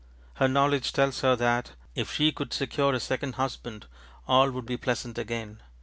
Her knowledge tells her that, if she could secure a second husband, all would be pleasant again.